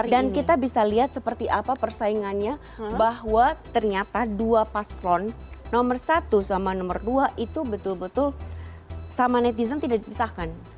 dan kita bisa lihat seperti apa persaingannya bahwa ternyata dua paslon nomor satu sama nomor dua itu betul betul sama netizen tidak dipisahkan